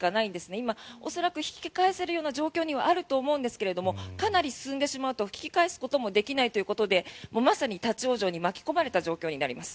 今、恐らく引き返せるような状況にはあると思いますがかなり進んでしまうと引き返すこともできないということでまさに立ち往生に巻き込まれた状況になります。